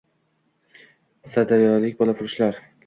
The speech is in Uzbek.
Sirdaryolik bolafurishlar